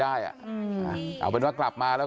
ความปลอดภัยของนายอภิรักษ์และครอบครัวด้วยซ้ำ